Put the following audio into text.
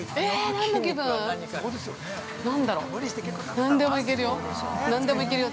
何でも行けるよ。